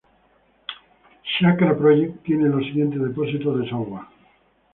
Chakra Project tiene los siguientes depósitos de software.